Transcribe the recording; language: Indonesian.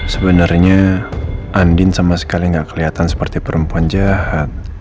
sebenarnya andin sama sekali nggak kelihatan seperti perempuan jahat